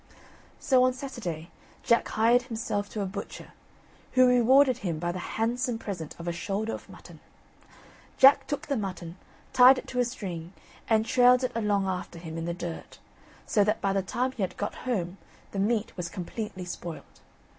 So on Saturday, Jack hired himself to a butcher, who rewarded him by the handsome present of a shoulder of mutton. Jack took the mutton, tied it to a string, and trailed it along after him in the dirt, so that by the time he had got home the meat was completely spoilt.